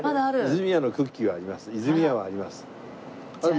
泉屋はあります。